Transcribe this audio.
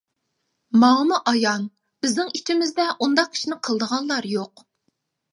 ماڭىمۇ ئايان، بىزنىڭ ئىچىمىزدە ئۇنداق ئىشنى قىلىدىغانلار يوق.